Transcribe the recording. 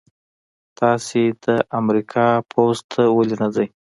تاسې د امریکا پوځ ته ولې نه ځئ؟